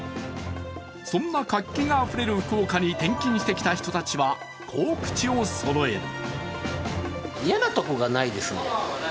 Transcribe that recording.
そんな活気あふれる福岡に転勤してきた人たちは、こう口をそろえる